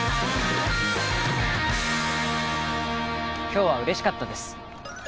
今日は嬉しかったです